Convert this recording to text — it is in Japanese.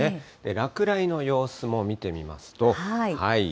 落雷の様子も見てみますと。